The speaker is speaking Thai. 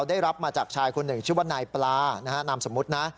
ได้รับมาจากชายคนหนึ่งชื่อว่านายปลานะฮะนามสมมุตินะ